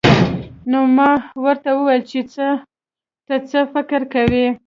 نو ما ورته وويل چې ته څه فکر کوې.